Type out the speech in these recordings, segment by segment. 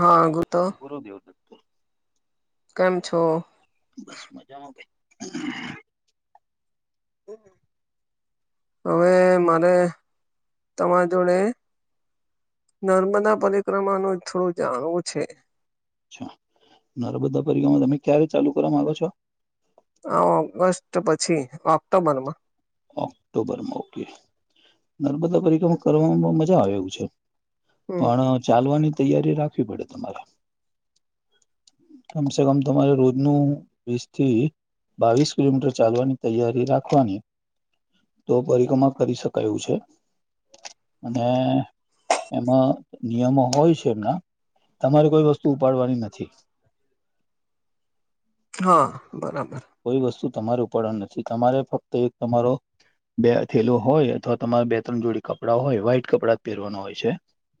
હા ગુતો પૂરો દેવ લતો કેમ છો બસ મજામાં ભઈ હમ હવે મારે તમારા જોડે નર્મદા પરિક્રમા ન થોડો જાણવો છે ા નારા બધા પરગમાં તમે ક્યારે ચાલુ કરવા માંગો છો હ ઓગસ્ટ પછી ઓક્ટોબરમાં ઓક્ટોબરમાં ઓકે નર્મદા પરિકામાં કરવામાં મજા આવે છે હમ પણ ચાલવાની તૈયારી રાખવી પડે તમારે [inaudible] કમસે કમ તમારે રોજનું વીસ થી બાવીસ કિલોમીટર ચાલવાની તૈયારી રાખવાની તો પરિક્રમા કરી શકાય એું છે અને એમાં નિયમો હોય છે એમના તમારે કોઈ વસ્તુ ઉપાડવાની નથી હા બરાબર કોઈ વસ્તુ તમારે ઉપર નથી તમારે ફક્ત એક તમારો બે થેલો હોય અથવા તમારા બે ત્રણ જોડી કપડાં હોય વ્હાઈટ કપડાં જ પહેરવાનો હોય છે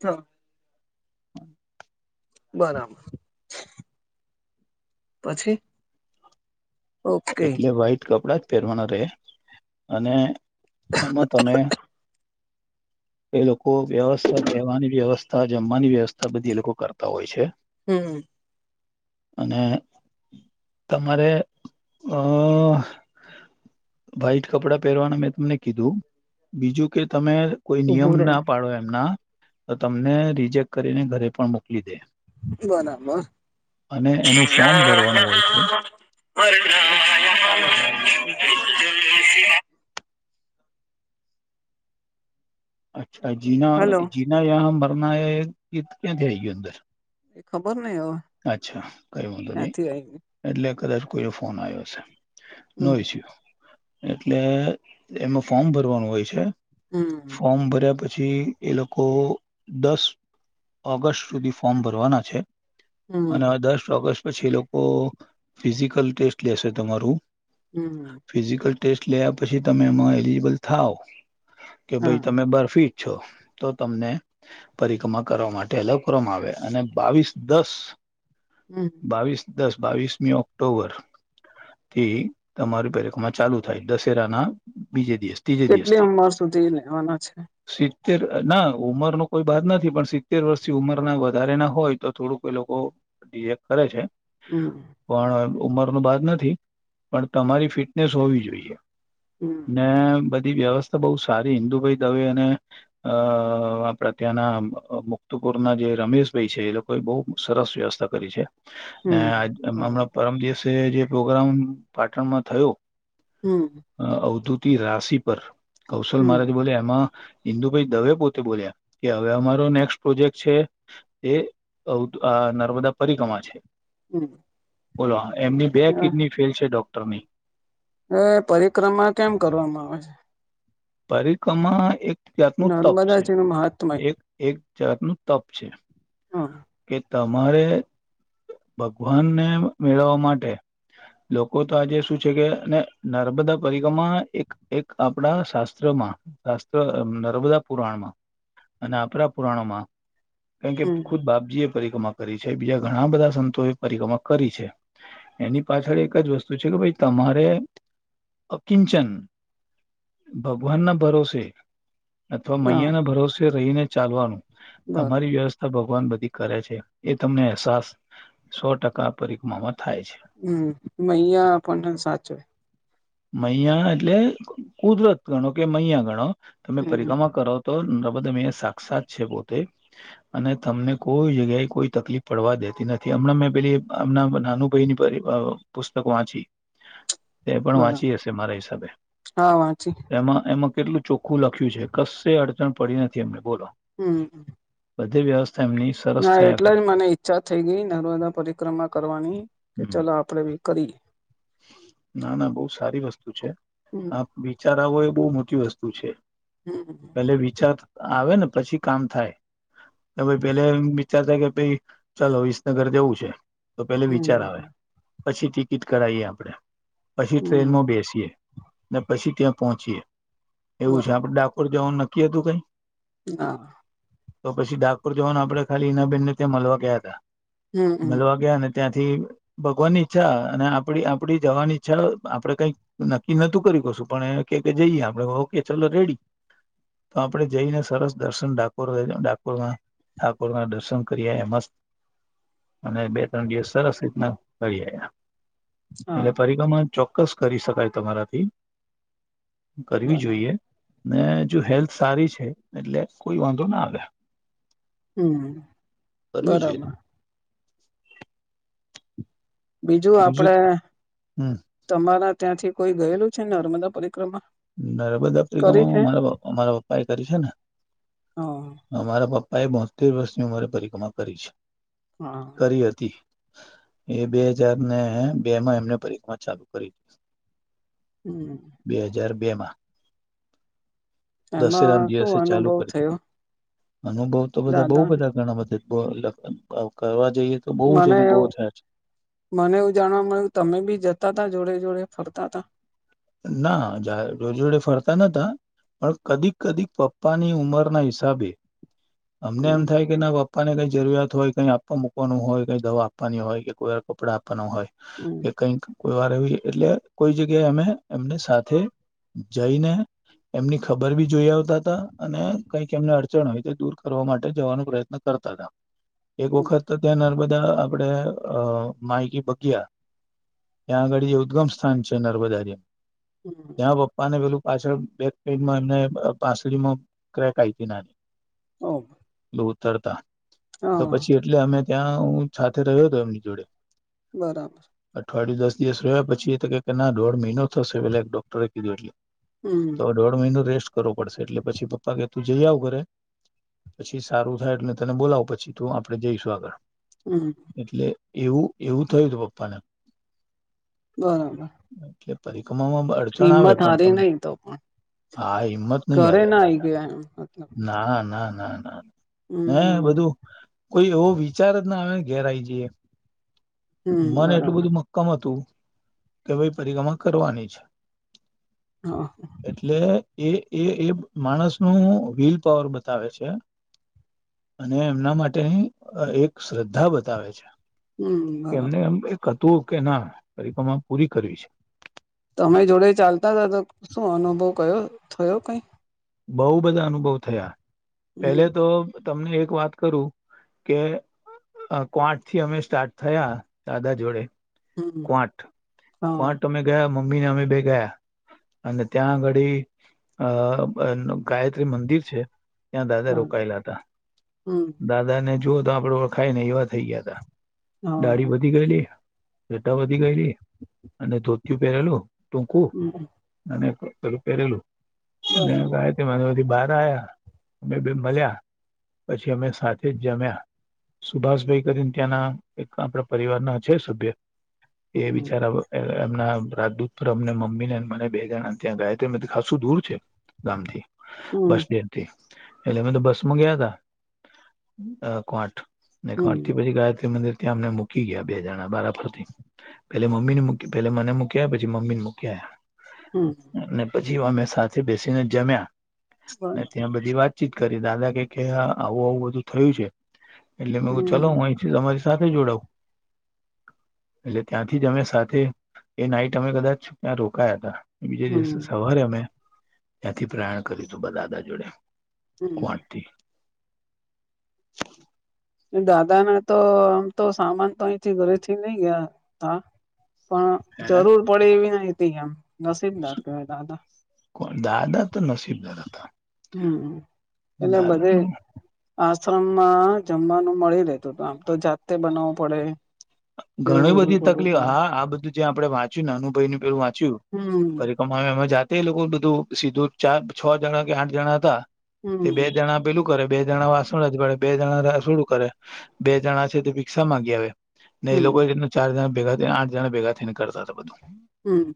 હા બરાબર પછી ઓકે એટલે વ્હાઈટ કપડા પહેરવાના રહે અને એમાં તમે એ લોકો વ્યવસ્થા લેવાની વ્યવસ્થા જમવાની વ્યવસ્થા બધી એ લોકો કરતા હોય છે હમ અને તમારે અ વ્ાઈટ કપડા પહેરવાના મેં તમને કીધું બીજું કે તમે કોઈ નિયમ ઉભું રે ના પાડો એમના તો તમને રિજેક્ટ કરીને ઘરે પણ મોકલી દે બો નામાં અને એનું ફોર્મ ભરવાનું હોય છે હરણ અચ્છા જીના હલો જીના મરના ક્યાં થ આય ગ અંદર એ ખબર નઈ હવે અચ્છા કઈ વાંધો નહી ક્યાંથી આવી એટલે કદાચ કોઈ ફોન આવ્યો હશે નો હમ ઈસ્યુ એટલે એમાં ફોર્મ ભરવાનું હોય છે હમ ફોર્મ ભર્યા પછી પછી એ લોકો દસ ઓગસ્ટ સુધી ફોર્મ ભરવાના છે હમ અને દસ ઓગસ્ટ પછી એ લોકો ફિઝિકલ ટેસ્ટ લેશે તમારું હમ ફિઝિકલ ટેસ્ટ લેયા પછી તમે એમાં એલિજીિબલ થાવ કે ભાઈ હા તમે બર ફીટ છો તો તમને પરિક્રમા કરવા માટે અલ કરવામાં આવે અને બાવીસ દસ હમ બાવીસ દસ બાવીસમી ઓક્ટોબર થી તમારી પેરેખમાં ચાલુ થાય દશેરાના બીજે દિવસ ત્રીજે કેટલી દિવસથી ઉંમર સુધી લેવાના છે સટ સિતતેર ના ઉંમર ન કોઈ બાદ નથી પણ સિત્તેર વર્ષથી ઉંમરના વધારે ના હોય તો થોડુંક એ લોકો ડિજેક્ટ કરે છે હમ પણ ઉમરનું બાદ નથી પણ તમારી ફિટનેસ હોવી જોઈએ હમ ને બ વ્યવસ્થા બહ સારી હિન્દુભાઈ દવે અને અ આપણે ત્યાંના મુક્ત ર ના જે રમેશભાઈ છે એ લોકો બહ સરસ વ્યવસ્થા કરી છે હમ બરાબર હમણાં પરમજી જે પ્રોગ્રામ પાટણમાં થયો હમ અવધૂત રાશિ પર કૌશલ હમ મહારાજ બોલે એમાં િંદુભાઈ દવે પોતે બોલ્યા કે હવે અમારો નેક્સ્ટ પ્રોજેક્ટ છે એ આ નર્મદા પરિક્રમા છે હમ બોલો એમની બે કિડની ફેલ છે ડોક્ટરની એ પરિક્રમા કેમ કરવામાં આવે છે પરિક્રમા એક જાત નું તપ છે નર્મદાજી નું મહાત્મય એક એક જતનુંું તપ છે હ કે તમારે ભગવાનને મેળવવા માટે લોકો તો આજે શું છે કે નર્મદા પરિક્રમા એક આપડા શાસ્ત્ર શાસ્ત્ર નર્મદા પુરાણમાં અને આપરા પુરાણોમાં કારણ કે હમ ખુદ ભ પરિક્રમા કરી છે બીજા ઘણા બધા સંતો એ પરિક્રમા કરી છે એની પાછળ એક જ વસ્તુ છે છે કે ભાઈ તમારે અ કિંચન ભગવાનના ભરોસે. અથવા હા મૈયા ના ભરોસે રહીને ચાલવાનું તમારી બરાબર વ્યવસ્થા ભગવાન બધી કરે છે એ તમને અહેસાસ સો ટકા પરિક્રમામા હમ મૈયા આપણને સાચવે. મૈયા એટલે કુદરત ગણો કે મૈયા ગણો તમે હમ પરિક્રમા કરો તો ન બધા મે સાક્ષાત છે પોતે અને તમને કોઈ જગ્યાએ કોઈ તકલીફ પડવા દેતી નથી હમણાં મેં પેલી અમના નાનું ભાઈ પરી ની પુસ્ત ક વાચી. [inaudible] તે પણ વાંચી બરાબર હશે મારા હિસાબે હા વાંચી એમાં એમાં કેટલું ચોખ્ખું લખ્યું છે કસે અડચણ પડી નથી એમને બોલો. હમ. બધી વ્યસ્થા. ના એટલા જ મને ઈચ્છા થઈ ગઈ નર્મદા પરિક્રમા કરવાની કે હમ ચાલ આપડે ભી કરી. ના ના બહુ સારી વસ્તુ છે હમ આપ બિચારાઓ એ બહુ મોટી વસ્તુ છે. હમ પેલે વિચાર આવે ને પછી કામ થાય. ભાઈ પેલે એ વિચાર થાય કે ભાઈ ચાલો વિસનગર જેવું છે. તો પેલે વિચાર આવે હમ પછી ટિકિટ કરાવીએ આપણે. પછી હમ ટ્રેનમાં બેસીએ ને પછી ત્યાં પહોંચીએ. એવું છે બરાબર આપડે ડાકોર જવાનું નક્કી હતું કઈ. હા. તો પછી ડાકોર જવાનું આપણે ખાલી ઈનાબેનને ત્યાં મળલવા ગયા હતા હમ હમ મળવા ગયા અને ત્યાં થી ભગવાનની ઈચ્છા અને આપ પડી આપડી જવાની ઈચ્છા આપડે કઈક નક્કી નતું કર્યું કશું પણ એ જઈએ આપડે ઓકે ચલો. રેડી તો આપડે જઈને સરસ દર્શન ડાકોર રઇને ડાકોરમાં ઠાકોરના દર્શન કર્યા એ મસ્ત અને બે ત્રણ દિવસ સરસ રીતના ફરી આયા. હા એટલે પરીક્રમણ ચોક્કસ કરી શકાય તમારાથી. કરવી બરાબર જોઈએ. ને જો હેલ્થ સારી છે એટલે કોઈ વાંધો ના આવે. હમ કરવી જોઈએ બરાબર. બીજું આપડે હમ તમારા ત્યાંથી કોઈ ગયેલું છે ને નર્મદા પરી નર્મદા પરીક્રમામા મારા બાપા મારા પપ્પા એ કરી છે ને. હ અમારા પપ્પાએ બોતેર વર્ષની ઉંમરે પરિક્રમા કરી છે. હા કરી હતી. એ બે હજારને બે માં એમને પરિક્રમા ચાલુ કરી હતી. હમ. બેમાં. દશેરા ના એમાં શું દીવસે ચાલુ અનુભવ કરી. થયો અનુભવ તો બધા બઉુ દાદાને બધા ઘણા બધા બ લ અવ કરવા જઈએ તો બહુ જ મને અનુભવો એવું થયા છે. મને એવું જાણવા મળ્યું તમે બી જતા તા જોડે જોડે ફરક તાતા. ના જા જોડે જોડે ફરતા નતા. પણ કદીક કદીક પપ્પા ની ઉંમરના હિસાબે અમને એમ હમ થાય કે ના પ આપવાને કંઈ જરિયાત હોય કંઈ આપવા મૂકવાનું હોય કંઈ દવા આપની હોય કે કોઈ વાર કપડાં આપ નાના હોય હમ કે કઈક કોઈ વાર એવી એટલે કોઈ જગ્યાએ અમે એમને સાથે જઈને એમની ખબર ભી જોઈ આવતા હતા અને કઈક એમને અડચણ હોય તે દૂર કરવા માટે જવાનો પ્રયત્ન કર તા તા એક હમ વખત ત્યાં નર્મદા આપડે અ માયકી બગયા ત્યાં આગળ જે ઉદ્ગમસ્થાન છે, નર્મદામ હમ ત્યાં પપ્પા ને પેલું પાછળ બેક સાઈડમાં એમને પાસળમાં ક્રેક આ નાની ઓ પેલું ઉતરતા તો હા પછી એટલે અમે ત્યાં હું સાથે રહ્યો હતો એમની જોડે બરાબર અઠવાડિયું દસ દિવસ રહ્યો પછી એ તો કે ના દોઢ મહિનો તો પેલા એક ડોક્ટરે કીધું એટલે તો હમ દોઢ મહિનો રેસ્ટ કરવો પડશે એટલે પછી પપ્પા કે તું જઈ આવ ઘરે પછી સારું થાય એટલે તને બોલાવ પછી તું આપડે જઈશું આગળ હમ એટલે એવું એવું થયું હતું પપ્પાને બરાબર કવામાં અડચણ આવે હિંમત પણ હારી તમને નહી તો પણ હા હિંમત નહી ઘરે હાર્યા ના આઈ દાદા ગયા એમ મતલબ ના, ના, ના, ના હે હમ બધું કોઈ એવો વિચાર જ ના આવે ઘેરાય જઈએ. હમ મન એટલું બરાબર બધું મક્કમ હતું કે ભાઈ પરિક્રમા કરવાની છે. હા એટલે એ એ એ માણસ નું વિલ પાવર બતાવે છે. અને એમના માટેની એક શ્રદ્ધા બતાવે છે. હું બરાબર તું કે ના પરિક્રમા પૂરી કરવી છે. તમે જોડે ચાલતા હતા તો શું અનુભવ કયો થયો. કંઈ બહુ બધા અનુભવ થયા, હમ પેલે તો તમને એક વાત કરું કે કો આઠ થી અમે સ્ટાર્ટ થયા દાદા જોડે હમ ક્વાટ હા ક્વાટ અમે ગયા મ મમ્મીને અમે બે ગયા અને ત્યાં આંગડી અ ગાયત્રી મંદિર છે ત્યાં દાદા બરાબર રોકાયેલા હતા હમ દાદાને જૂઓ તો આપડે ઓળખાય ને એવા થઈ ગયા તા ડાળી હા વધી ગયેલી રેટા વધી ગયેલી અને ધોતયું પહેરેલું ટૂંકું હમ અને હમ પેરેલું બરાબર ને બધી બહાર આવ્યા અમે બે મળ્યા પછી અમે સાથે જ જમ્યા. સુભાષભાઈ કરીને ત્યાંના એક આપણા પરિવારના છે, સભ્ય એ હમ બિચારા એમના રાજદૂત પર અમને મમ્મી ને મને બે જ ત્યાં ગયા ત્યાં ખાસું દૂર છે, ગામ થી બસ હમ સ્ટેન્ડથી એટલે મેમે તો બસમાં ગયા તા કઠ અને હમ આથી પછી ગાયત્રી મંદિર ત્યાં અમને મૂકી ગયા બે જણા બરાબરથી પેલે મમ્મી ને મુકી પલા મને મૂક્યા પછી મમ્મીને મૂકી આવ્યા. હમ પછી અમે સાથે બેસીને જમ્યા ને બરાબર ત્યાં બધી વાત વાતચીત કરી દાદા કે આવું આવું બધું થયું છે એટલે મે ચલો હમ હું અહીથી તમારી સાથે જોડાવ. એટલે ત્યાંથી જ અમે સાથે એ નાઈટ અમે કદાચ ત્યાં રોકાયા હતા. બીજે હમ દિવસ સવારે અમે ત્યાંથી પ્રયાણ કર્યું હતું, દાદા જોડે. હું, હું. કોણથી [unintelligible] [inaudible] દાદાને તો આમ તો સામાન તો અહીંથી ઘરેથી નહી ગયા તા પણ જરૂર પડે એવી ન હતી એમ નસીબદાર કહેવાય દાદા કોણ દાદા તો નસીબદાર દાદા હતા. હું એટલે દાદા બધે ન આશ્રમમાં જમવાનું મળી રહેેતું આમ તો જાતે બનાવવું પડે. ઘણી એવું બધું બધી કરવું તકલીફ પડે હા આ બધું જે આપડે વાંચ્યું ને અનુભાઈ નું પેલું વાંચ. હમ િકમામે જાતે લોકો બધું સીધું ચાર છ જણા કે આઠ જણા હતા તે બે હમ જણા પેલું કરે બે જણા વાસણ જ પડે બે જણા સોડું કરે બે જણા છે તે રિક્ા માંગી આવે ને એ હમ લોકો ચાર જણા ભેગા આઠ જણ ભેગા થઈને કરતા હતા બધું હમ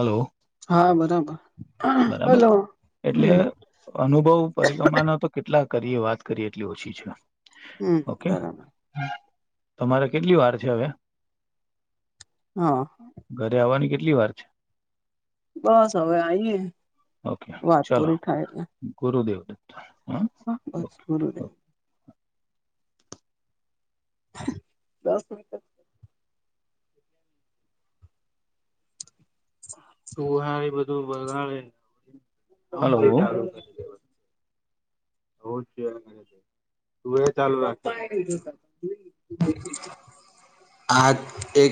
હલો હા બરાબર બરાબર હલો એટલે હમ અનુભવ પરિકમાના તો કેટલા કરીએ વાત કરીએ એટલી ઓછી છે હમ ઓકે બરાબર તમારે કેટલી વાર છે હવે હા ઘરે આવવાની કેટલી વાર છે બસ હવે આઈએ ઓકે વાત ચાલો પૂરી થાય એટલે ગુરુદેવ દ હા બસ બરોબરે દસ મ તુંહારી એ બધું બગાડે બ છે હલો છે તું એ ચાલુ રાખતા આ એક